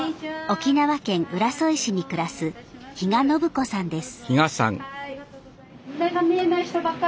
沖縄県浦添市に暮らす比嘉信子さんです。